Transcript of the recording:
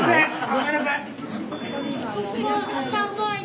ごめんなさい。